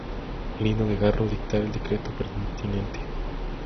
Lino de Garro, dictar el decreto pertinente.